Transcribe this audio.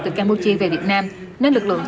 từ campuchia về việt nam nên lực lượng